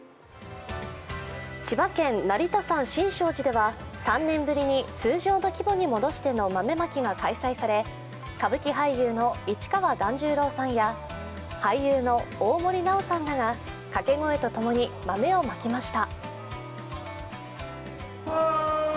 千葉県、成田山新勝寺では３年ぶりに通常の規模に戻しての豆まきが開催され、歌舞伎俳優の市川團十郎さんや俳優の大森南朋さんらが掛け声とともに豆をまきました。